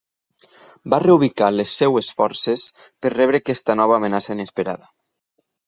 Va reubicar les seves forces per rebre aquesta nova amenaça inesperada.